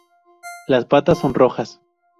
Las patas son rojas.